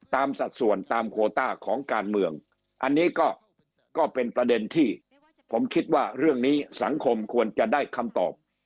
สัดส่วนตามโคต้าของการเมืองอันนี้ก็เป็นประเด็นที่ผมคิดว่าเรื่องนี้สังคมควรจะได้คำตอบ